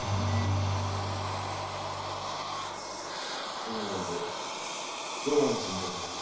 ともあれひと安心でございますな。